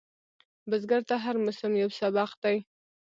بزګر ته هر موسم یو سبق دی